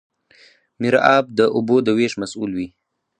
میرآب د اوبو د ویش مسوول وي.